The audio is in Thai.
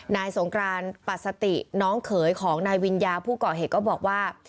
นายสงกรานปัสติน้องเขยของนายวิญญาผู้ก่อเหตุก็บอกว่า